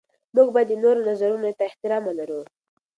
موږ باید د نورو نظرونو ته احترام ولرو.